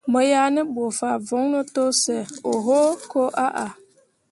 Mo yah ne bu fah voŋno to sə oho koo ahah.